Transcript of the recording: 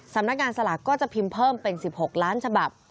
สำนักงานสลากก็จะพิมพ์เพิ่มเป็น๑๖ล้านฉบับ